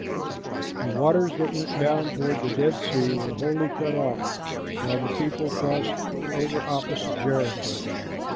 The waters that went down toward the Dead Sea were wholly cut off, while the people crossed over opposite Jericho.